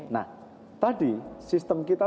nah tadi sistem kita